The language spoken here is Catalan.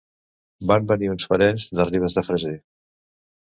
Van venir uns parents de Ribes de Freser.